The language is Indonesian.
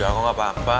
udah kok gapapa